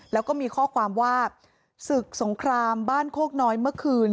แล้วก็มีข้อความว่าศึกสงครามบ้านโคกน้อยเมื่อคืน